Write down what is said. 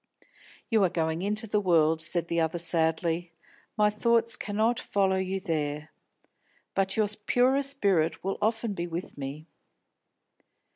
"You are going into the world," said the other sadly, "my thoughts cannot follow you there. But your purer spirit will often be with me."